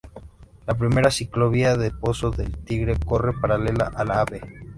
La primera ciclovía de Pozo del Tigre Corre paralela a la Av.